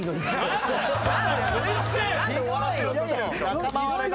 仲間割れだ。